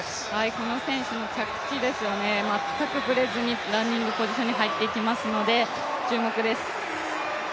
この選手の着地ですよね、まったくブレずにランニングポジションに入っていきますので注目です。